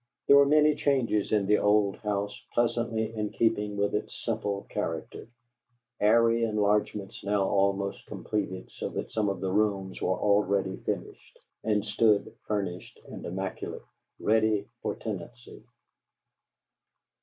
There were many changes in the old house pleasantly in keeping with its simple character: airy enlargements now almost completed so that some of the rooms were already finished, and stood, furnished and immaculate, ready for tenancy.